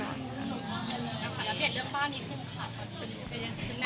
เอาค่ะแล้วเปลี่ยนเรื่องบ้านนี้ขึ้นค่ะ